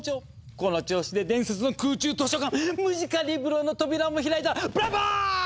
この調子で伝説の空中図書館ムジカリブロの扉も開いたらブラボー！